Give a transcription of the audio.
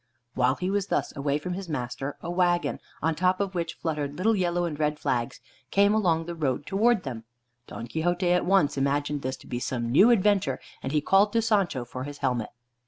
While he was thus away from his master, a wagon, on top of which fluttered little yellow and red flags, came along the road towards them. Don Quixote at once imagined this to be some new adventure, and he called to Sancho for his helmet.